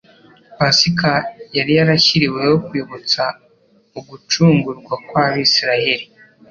Pasika yari yarashyiriweho kwibutsa ugucungurwa kw'abisiraheli